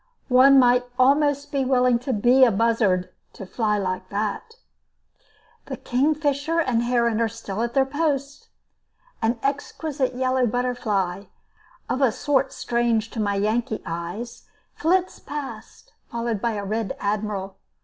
One might almost be willing to be a buzzard, to fly like that! The kingfisher and the heron are still at their posts. An exquisite yellow butterfly, of a sort strange to my Yankee eyes, flits past, followed by a red admiral.